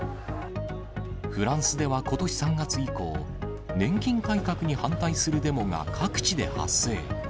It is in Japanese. フランスではことし３月以降、年金改革に反対するデモが各地で発生。